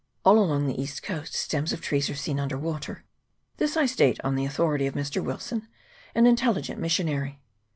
All along the east coast stems of trees are seen under water ; this I state on the authority of Mr. Wilson, an intelligent missionary.